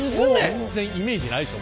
全然イメージないでしょ